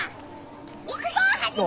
行くぞハジメ！